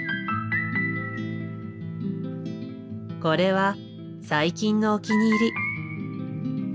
これは最近のお気に入り。